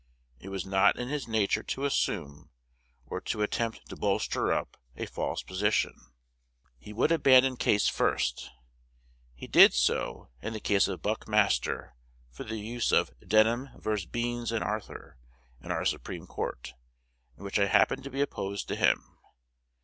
It was not in his nature to assume, or to attempt to bolster up, a false position. He would abandon his case first. He did so in the case of Buckmaster for the use of Denham vs. Beenes and Arthur, in our Supreme Court, in which I happened to be opposed to him.